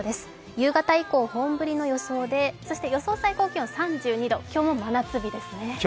夕方以降、本降りの予想で、予想最高気温３２度、今日も真夏日ですね。